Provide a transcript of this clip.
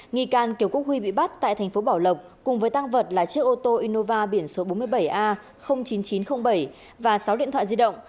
nghi can kiều quốc huy bị bắt tại thành phố bảo lộc cùng với tăng vật là chiếc ô tô innova biển số bốn mươi bảy a chín nghìn chín trăm linh bảy và sáu điện thoại di động